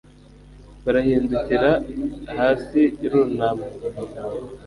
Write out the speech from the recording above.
Barahindukira hasi irunama